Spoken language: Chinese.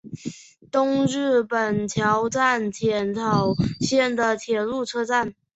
东日本桥站浅草线的铁路车站。